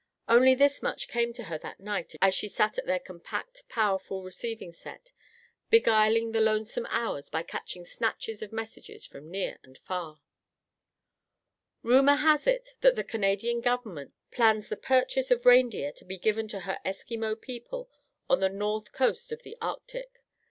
Only this much came to her that night as she sat at their compact, powerful receiving set, beguiling the lonesome hours by catching snatches of messages from near and far: "Rumor has it that the Canadian Government plans the purchase of reindeer to be given to her Eskimo people on the north coast of the Arctic.